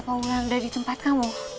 apa wulan udah di tempat kamu